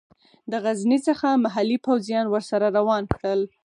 د غزني څخه محلي پوځیان ورسره روان کړل.